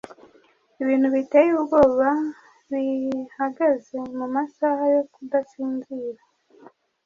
Ibindi biteye ubwoba bihagaze mumasaha yo kudasinzira